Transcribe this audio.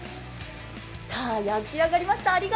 焼き上がりました。